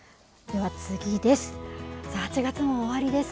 では次です。